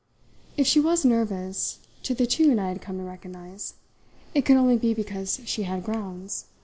If she was "nervous" to the tune I had come to recognise, it could only be because she had grounds.